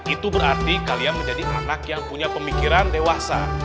itu berarti kalian menjadi anak yang punya pemikiran dewasa